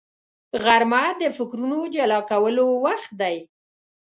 غرمه د فکرونو جلا کولو وخت دی